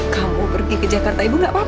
kamu pergi ke jakarta ibu gak apa apa